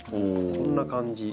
こんな感じ。